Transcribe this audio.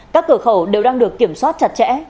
các cửa khẩu đều đang được kiểm soát chặt chẽ